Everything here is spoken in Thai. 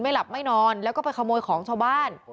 หลับไม่นอนแล้วก็ไปขโมยของชาวบ้าน